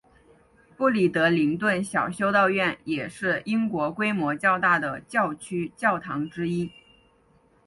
布里德灵顿小修道院也是英国规模较大的教区教堂之一。